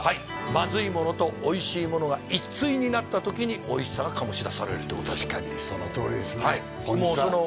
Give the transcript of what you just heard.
まずいものとおいしいものが一対になった時においしさが醸し出されるって確かにそのとおりですね